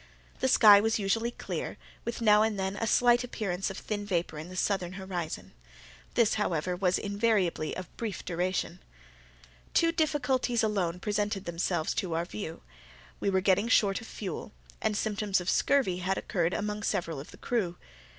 The sky was usually clear, with now and then a slight appearance of thin vapour in the southern horizon—this, however, was invariably of brief duration. Two difficulties alone presented themselves to our view; we were getting short of fuel, and symptoms of scurvy had occurred among several of the crew.